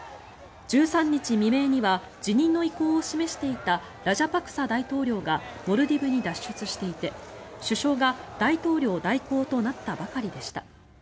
１３日未明には辞任の意向を示していたラジャパクサ大統領がモルディブに脱出していて首相が大統領代行となったばかりでした。